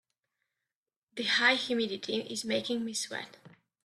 The high humidity is making me sweat.